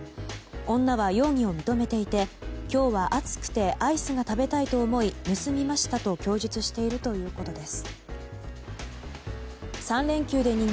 女は容疑を認めていて今日は暑くてアイスが食べたいと思い盗みましたと供述しているということです。